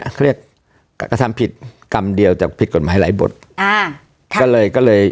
เขาเรียกกระทำผิดกรรมเดียวจากผิดกฎหมายหลายบทอ่าก็เลยก็เลย